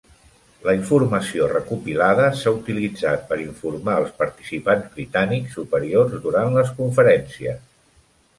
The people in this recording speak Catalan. La informació recopilada s'ha utilitzat per informar els participants britànics superiors durant les conferències.